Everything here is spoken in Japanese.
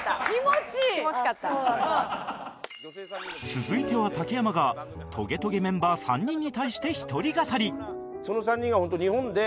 続いては竹山が『トゲトゲ』メンバー３人に対して１人語り